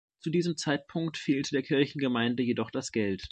Zu diesem Zeitpunkt fehlte der Kirchengemeinde jedoch das Geld.